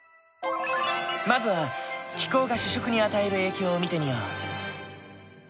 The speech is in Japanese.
まずは気候が主食に与える影響を見てみよう。